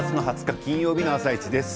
金曜日の「あさイチ」です。